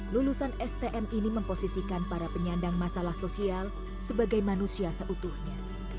lulusan stm ini memposisikan para penyandang masalah sosial sebagai manusia seutuhnya